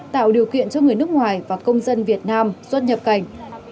tạo điều kiện cho người nước ngoài và công dân việt nam xuất nhập cảnh